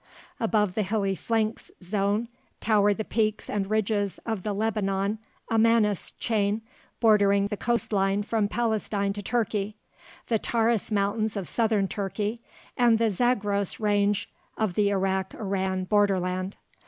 Above the hilly flanks zone tower the peaks and ridges of the Lebanon Amanus chain bordering the coast line from Palestine to Turkey, the Taurus Mountains of southern Turkey, and the Zagros range of the Iraq Iran borderland.